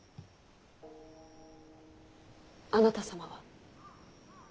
あなた様は？